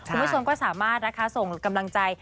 คุณผู้ชมก็สามารถนะคะส่งกำลังใจ